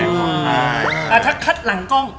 ถ้าคัดหลังกล้อง